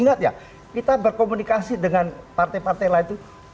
ingat ya kita berkomunikasi dengan partai partai lain itu bukan berarti kita juga memiliki konteks